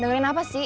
dengerin apa sih